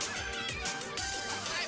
kau yang ngapain